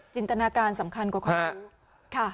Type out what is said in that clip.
จินตนาการสำคัญกว่าความรู้